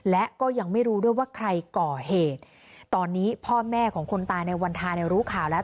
และก็ยังไม่รู้ด้วยว่าใครก่อเหตุตอนนี้พ่อแม่ของคนตายในวันทาเนี่ยรู้ข่าวแล้ว